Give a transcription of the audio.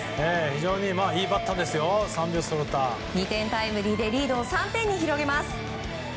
非常にいいバッターですよ三拍子そろった２点タイムリーで差を３点に広げます。